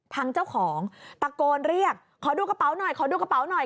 เจ้าของตะโกนเรียกขอดูกระเป๋าหน่อยขอดูกระเป๋าหน่อย